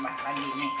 mak tambah lagi nih